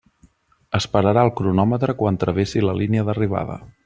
Es pararà el cronòmetre quan travessi la línia d'arribada.